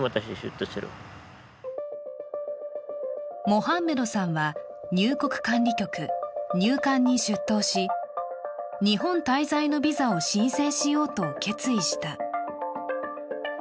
モハンメドさんは、入国管理局＝入管に出頭し、日本滞在のビザを申請しようと決意した。